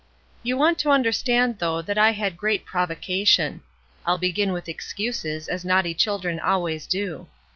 "You want to understand though that I had great provocation. (I'll begin with excuses, as naughty children always do.)